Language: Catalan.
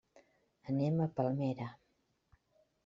Anem a Palmera.